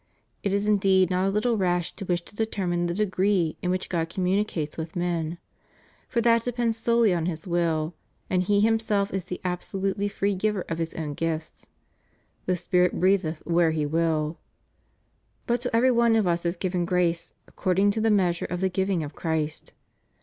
It is indeed not a little rash to wish to determine the degree in which God communicates with men; for that depends solely on His will ; and He Himself is the absolutely free giver of His own gifts. The Spirit breatheth where He will} But to every one of us is given grace according to the measure of the giving of Christ.'